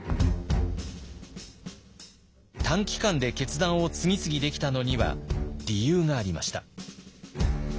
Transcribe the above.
短期間で決断を次々できたのには理由がありました。